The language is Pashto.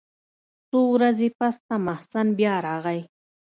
څو ورځې پس ته محسن بيا راغى.